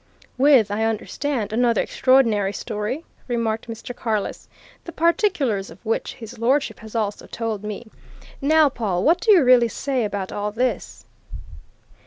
"With, I understand, another extraordinary story," remarked Mr. Carless. "The particulars of which His Lordship has also told me. Now, Pawle, what do you really say about all this?"